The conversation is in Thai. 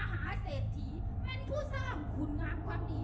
มีคุณค่ะมีราศีมีธักษ์ภัณฑ์ภารังศี